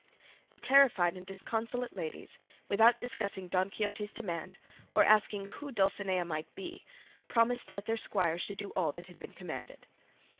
The terrified and disconsolate ladies, without discussing Don Quixote's demand or asking who Dulcinea might be, promised that their squire should do all that had been commanded.